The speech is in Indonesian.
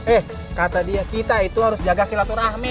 eh kata dia kita itu harus jaga silaturahmi